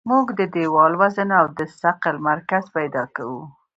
موږ د دیوال وزن او د ثقل مرکز پیدا کوو